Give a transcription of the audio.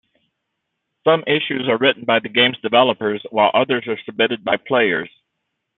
Some issues are written by the game's developers, while others are submitted by players.